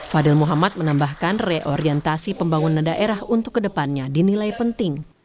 fadil muhammad menambahkan reorientasi pembangunan daerah untuk kedepannya dinilai penting